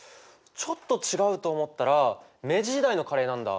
ちょっと違うと思ったら明治時代のカレーなんだ。